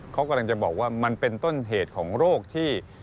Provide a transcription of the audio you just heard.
เขากำลังจะบอกว่ามันเป็นต้นเหตุของโรคที่